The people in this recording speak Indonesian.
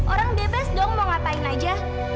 orang detes dong mau ngapain aja